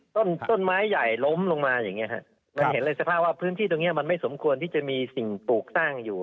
ต้นไม้ใหญ่ล้มลงมาอย่างเงี้ฮะมันเห็นเลยสภาพว่าพื้นที่ตรงเนี้ยมันไม่สมควรที่จะมีสิ่งปลูกสร้างอยู่